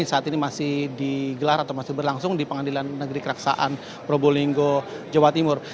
saat ini masih digelar atau masih berlangsung di pengadilan negeri keraksaan probolinggo jawa timur